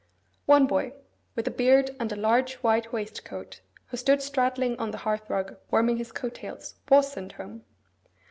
One boy, with a beard and a large white waistcoat, who stood straddling on the hearth rug warming his coat tails, was sent home.